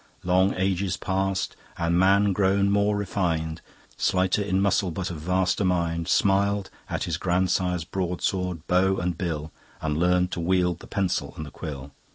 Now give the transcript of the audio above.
Long ages pass'd and Man grown more refin'd, Slighter in muscle but of vaster Mind, Smiled at his grandsire's broadsword, bow and bill, And learn'd to wield the Pencil and the Quill.